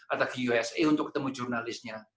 atau ke usa untuk ketemu jurnalisnya